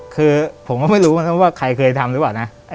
คือผมไม่รู้ว่าใครเคยทำหรือเปล่านะ